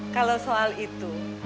kalau soal itu